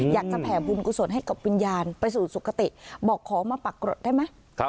แผ่บุญกุศลให้กับวิญญาณไปสู่สุขติบอกขอมาปรากฏได้ไหม